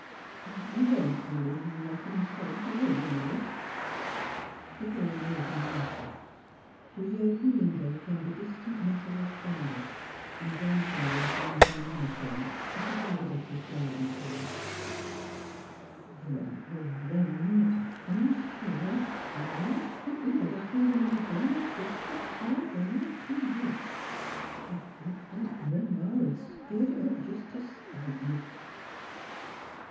You — you won't b'lieve nothin' he tells you; will you, Milly? " The girl made no answer. Through the open window came the distant mutter of thunder, and Gran 'father's grumbling monotone, as he gathered up his garden tools : ''Drat th' rain! It's a comin' sure, an' me a thinkin' b' th' feelin' in m' bones 't was set fair fer another two weeks. Looks like Gran 'ma 'd scared it up jes' t' spite me."